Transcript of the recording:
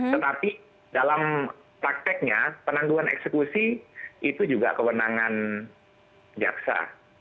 tetapi dalam prakteknya penanduan eksekusi itu juga kewenangan jaksa